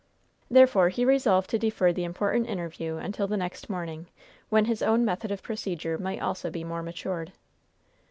Therefore he resolved to defer the important interview until the next morning, when his own method of procedure might also be more matured.